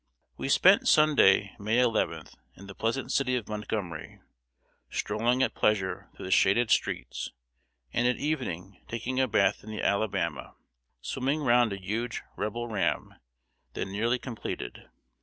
We spent Sunday, May 11th, in the pleasant city of Montgomery: strolling at pleasure through the shaded streets, and at evening taking a bath in the Alabama, swimming round a huge Rebel ram, then nearly completed.